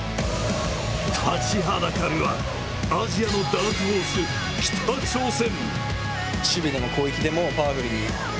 立ちはだかるは、アジアのダークホース、北朝鮮。